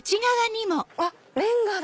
あっレンガだ！